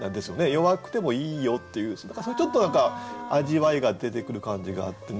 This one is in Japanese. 弱くてもいいよっていうそういうちょっと味わいが出てくる感じがあってね